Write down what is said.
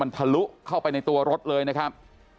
ทะลุเข้าไปในตัวรถเลยนะครับ